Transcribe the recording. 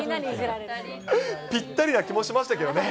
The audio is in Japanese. ぴったりな気もしましたけどね。